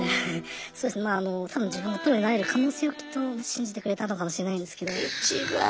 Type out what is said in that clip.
多分自分がプロになれる可能性をきっと信じてくれたのかもしれないんですけど。